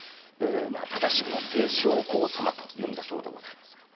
正しくは清正公様というんだそうでございますが。